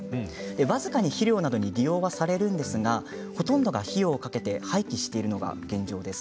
僅かに肥料などに利用されるんですが、ほとんどが費用をかけて廃棄しているのが現状です。